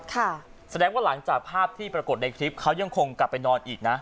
แสดงว่าหลังจากภาพที่ปรากฏในคลิปเขายังคงกลับไปนอนอีกนะ